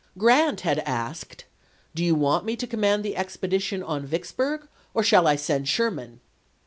Grant had asked, "Do you want me to Dec. 8,im command the expedition on Vicksburg, or shall I send Sherman?"